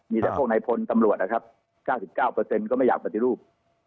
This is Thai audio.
มีแต่พวกในพลตำรวจนะครับ๙๙ก็ไม่อยากปฏิรูป